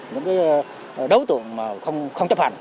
những đối tượng mà không chấp hành